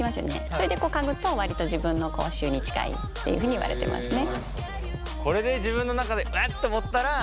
それで嗅ぐと割と自分の口臭に近いっていうふうに言われてますね。